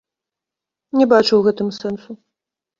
Не бачу ў гэтым сэнсу.